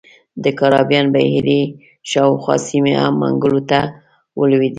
د کارابین بحیرې شاوخوا سیمې هم منګولو ته ولوېدې.